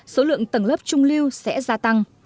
số lượng tầng lớp trung lưu sẽ gia tăng